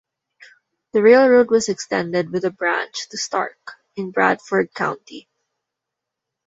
The railroad was extended with a branch to Starke, in Bradford county.